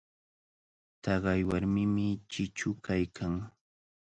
Taqay warmimi chichu kaykan.